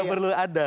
gak perlu ada